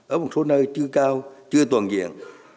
ở một số nơi chưa cao chưa toàn diện